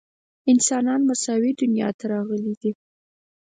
انسانان مساوي دنیا ته راغلي دي.